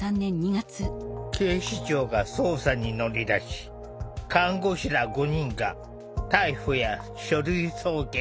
警視庁が捜査に乗り出し看護師ら５人が逮捕や書類送検された。